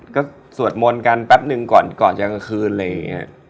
ก็สวดมนต์กันแป๊บหนึ่งก่อนจากกระคืนเลย